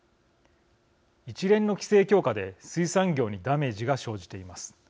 一連の規制強化で水産業にダメージが生じています。